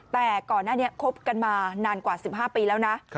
แต่ก่อนหน้านี้คบกันมานานกว่า๑๕ปีแล้วนะ